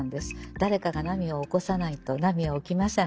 誰かが波を起こさないと波は起きません。